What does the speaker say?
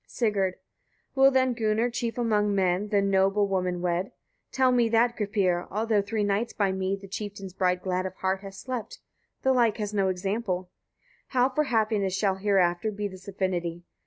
Sigurd. 43. Will then Gunnar, chief among men, the noble woman wed? Tell me that, Gripir! although three nights by me the chieftain's bride glad of heart has slept? The like has no example. 44. How for happiness shall hereafter be this affinity?